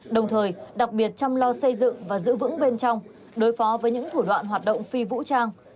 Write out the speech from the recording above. đồng thời đặc biệt chăm lo xây dựng và giữ vững bên trong đối phó với những thủ đoạn hoạt động phi vũ trang